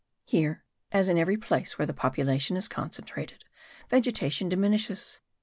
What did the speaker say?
Here, as in every place where the population is concentrated, vegetation diminishes.